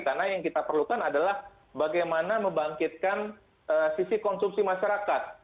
karena yang kita perlukan adalah bagaimana membangkitkan sisi konsumsi masyarakat